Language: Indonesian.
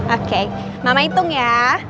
oke mama hitung ya